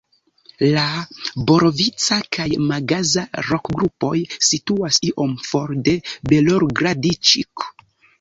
La Borovica- kaj Magaza-rokgrupoj situas iom for de Belogradĉik.